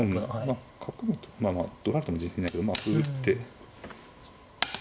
まあ角をまあまあ取られても自信ないけどまあ歩打って。